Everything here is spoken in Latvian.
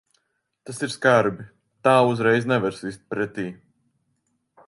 Tas ir skarbi. Tā uzreiz nevar sist pretī.